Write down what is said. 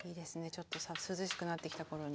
ちょっと涼しくなってきた頃に。